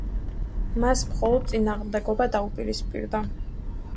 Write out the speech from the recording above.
მას მხოლოდ წინააღმდეგობა დაუპირისპირდა.